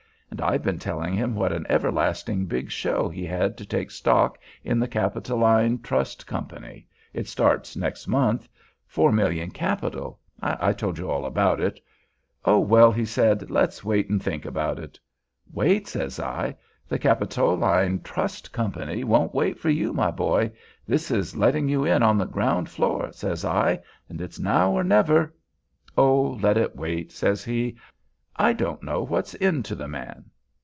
And I've been telling him what an everlasting big show he had to take stock in the Capitoline Trust Company—starts next month—four million capital—I told you all about it. 'Oh, well,' he says, 'let's wait and think about it.' 'Wait!' says I, 'the Capitoline Trust Company won't wait for you, my boy. This is letting you in on the ground floor,' says I, 'and it's now or never.' 'Oh, let it wait,' says he. I don't know what's in to the man."